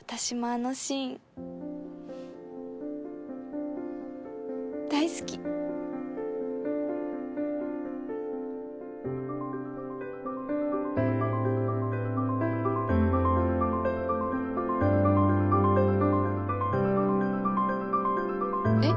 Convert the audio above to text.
私もあのシーン大好きえっ？